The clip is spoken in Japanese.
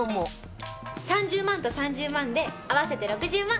３０万と３０万で合わせて６０万。